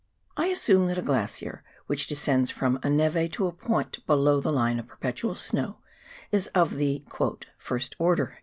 I assume that a glacier which descends from a neve to a point below the line of perpetual snow is of the "first order."